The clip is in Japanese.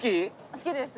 好きです。